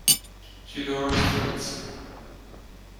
Tudor St.